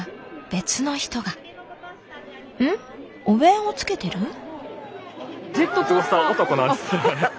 お面をつけてる？